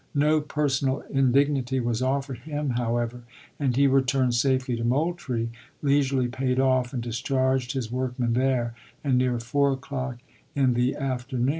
No personal indignity was offered him, however, and he returned safely to Moultrie, leisurely paid off and discharged his workmen there, and, near 4 o'clock in the after 56 ABEAHAM LINCOLN Chap. IV.